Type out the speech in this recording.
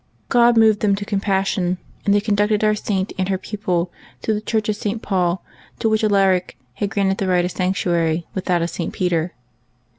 God moved them to compassion, and they con ducted our Saint and her pupil to the Church of St. Paul, to which Alaric had granted the right of sanctuary, with that of St. Peter.